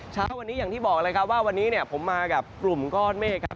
เช้าวันนี้อย่างที่บอกเลยครับว่าวันนี้เนี่ยผมมากับกลุ่มก้อนเมฆครับ